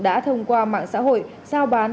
đã thông qua mạng xã hội giao bán